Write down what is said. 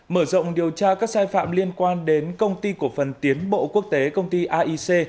mở rộng điều tra các sai phạm liên quan đến công ty cổ phần tiến bộ quốc tế công ty aic